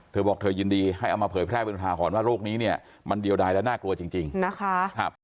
เธอบอกเธอยินดีให้เอามาเผยแพร่เป็นอุทาหรณ์ว่าโรคนี้เนี่ยมันเดียวได้แล้วน่ากลัวจริงนะคะ